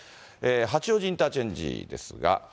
八王子インターチェンジですが。